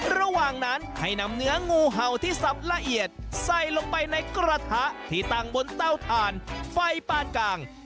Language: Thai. ระหว่างนั้นให้นำเนื้องูเห่าที่สับละเอียดใส่ลงไปในกระทะที่ตั้งบนเต้าถ่านไฟปานกลาง